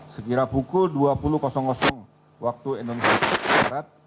sekira pukul dua puluh wib